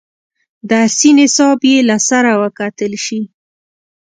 درسي نصاب یې له سره وکتل شي.